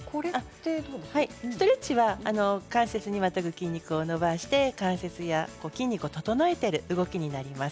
ストレッチは関節にわたる筋肉を伸ばして関節や筋肉を整えている動きになります。